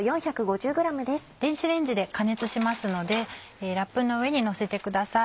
電子レンジで加熱しますのでラップの上にのせてください。